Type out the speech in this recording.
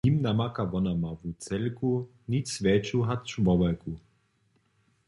W nim namaka wona mału cedlku, nic wjetšu hač wobalka.